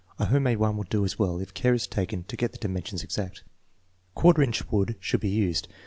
A home made one will do as well if care is taken 1 to get the dimensions exact. Quarter inch wood should be used.